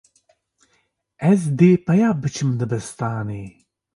Ez dê peya biçim dibistanê.